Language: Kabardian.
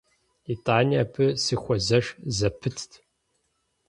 ИтӀани абы сыхуэзэш зэпытт.